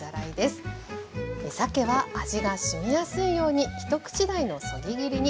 さけは味がしみやすいように一口大のそぎ切りに。